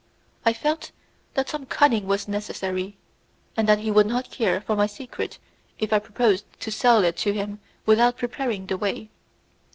I felt that some cunning was necessary, and that he would not care for my secret if I proposed to sell it to him without preparing the way.